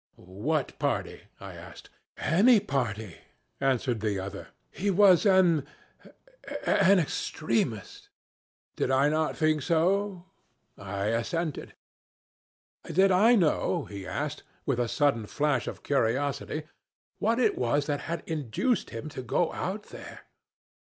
'What party?' I asked. 'Any party,' answered the other. 'He was an an extremist.' Did I not think so? I assented. Did I know, he asked, with a sudden flash of curiosity, 'what it was that had induced him to go out there?'